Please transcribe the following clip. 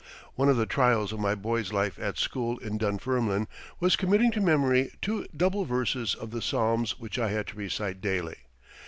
One of the trials of my boy's life at school in Dunfermline was committing to memory two double verses of the Psalms which I had to recite daily.